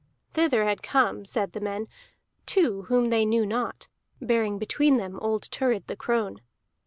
Thither had come, said the men, two whom they knew not, bearing between them old Thurid the crone.